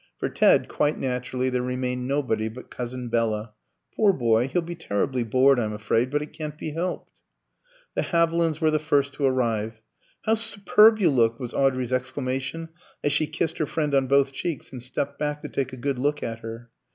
For Ted, quite naturally, there remained nobody but Cousin Bella. "Poor boy, he'll be terribly bored, I'm afraid, but it can't be helped." The Havilands were the first to arrive. "How superb you look!" was Audrey's exclamation, as she kissed her friend on both cheeks and stepped back to take a good look at her.